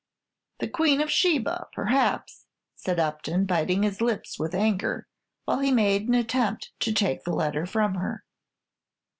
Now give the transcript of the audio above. "The Queen of Sheba, perhaps," said Upton, biting his lips with anger, while he made an attempt to take the letter from her.